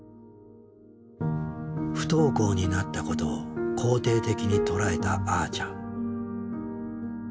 不登校になったことを肯定的に捉えたあーちゃん。